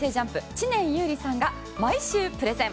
知念侑李さんが毎週プレゼン。